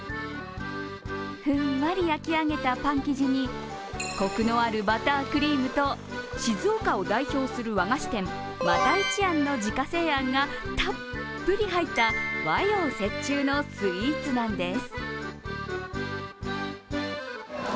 ふんわり焼き上げたパン生地にコクのあるバタークリームと静岡を代表する和菓子店又一庵の自家製あんがたっぷり入った和洋折衷のスイーツなんです。